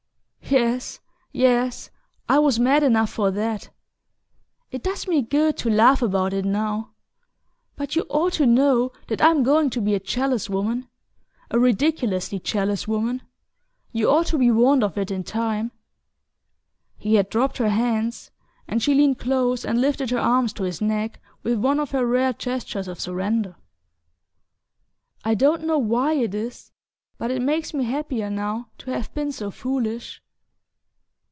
Yes ... yes...I was mad enough for that!... It does me good to laugh about it now! But you ought to know that I'm going to be a jealous woman ... a ridiculously jealous woman ... you ought to be warned of it in time..." He had dropped her hands, and she leaned close and lifted her arms to his neck with one of her rare gestures of surrender. "I don't know why it is; but it makes me happier now to have been so foolish!"